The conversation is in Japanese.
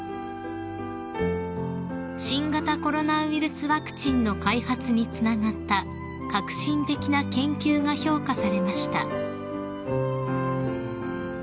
［新型コロナウイルスワクチンの開発につながった革新的な研究が評価されました］